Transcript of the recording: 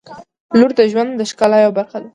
• لور د ژوند د ښکلا یوه برخه ده.